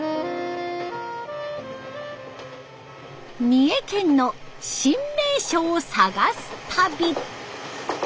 三重県の新名所を探す旅。